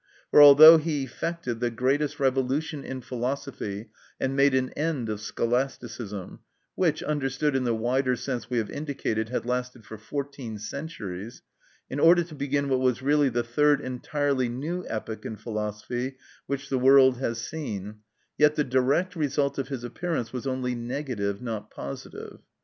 For although he effected the greatest revolution in philosophy and made an end of Scholasticism, which, understood in the wider sense we have indicated, had lasted for fourteen centuries, in order to begin what was really the third entirely new epoch in philosophy which the world has seen, yet the direct result of his appearance was only negative, not positive.